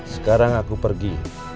sekarang aku pergi